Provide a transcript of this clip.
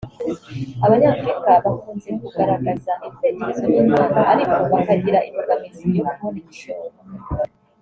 Abanyafurika bakunze kugaragaza ibitekerezo n’ impano ariko bakagira imbogamizi yo kubona igishoro